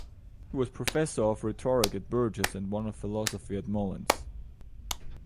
He was professor of rhetoric at Bourges, and of philosophy at Moulins.